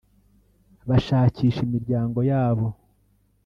bashakisha imiryango yabo